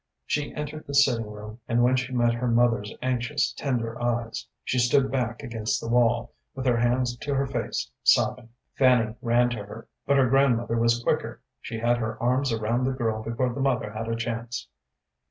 She entered the sitting room, and when she met her mother's anxious, tender eyes, she stood back against the wall, with her hands to her face, sobbing. Fanny ran to her, but her grandmother was quicker. She had her arms around the girl before the mother had a chance.